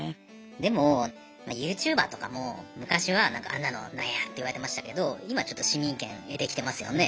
でもユーチューバーとかも昔はあんなのなんやって言われてましたけど今ちょっと市民権得てきてますよね。